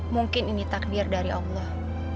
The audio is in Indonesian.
mungkin ini takdir dari allah